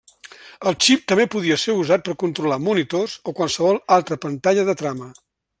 El xip també podia ser usat per controlar monitors o qualsevol altra pantalla de trama.